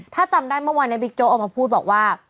ถ้าจำได้เมื่อวานนี้บิ๊กโจ๊กออกมาพูดบอกว่า